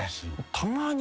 たまに。